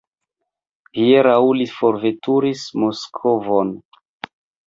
Hieraŭ li forveturis Moskvon.